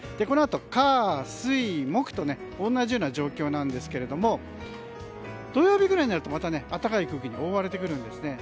このあと火水木と同じような状況なんですが土曜日ぐらいになるとまた暖かい空気に覆われてきます。